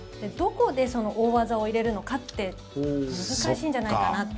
どこでその大技を入れるのかって難しいんじゃないかな。